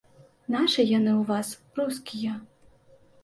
Нашы яны ў вас, рускія.